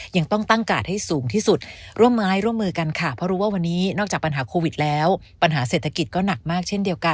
ยังต้องตั้งกาดให้สูงที่สุดร่วมมายร่วมมือกันค่ะ